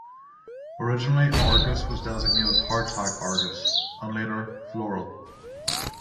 Originally "Argus" was designated "Hardtack-Argus", and later "Floral".